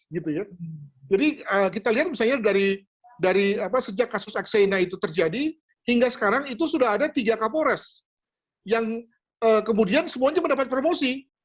jadi kita lihat misalnya dari sejak kasus aksena itu terjadi hingga sekarang itu sudah ada tiga kapolres yang kemudian semuanya mendapat promosi